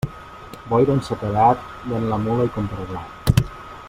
Boira en sequedat, ven la mula i compra blat.